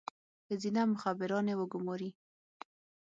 ښځینه مخبرانې وګوماري.